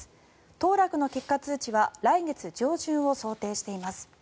当落の結果通知は来月上旬を想定しています。